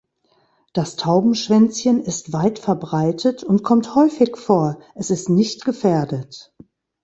Das Taubenschwänzchen ist weit verbreitet und kommt häufig vor, es ist nicht gefährdet.